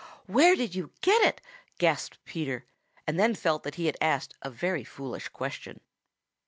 "Where did you get it?" gasped Peter, and then felt that he had asked a very foolish question.